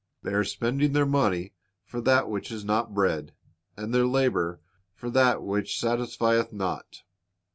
They are spending their money for that which is not bread, and their labor for that which satisfieth not.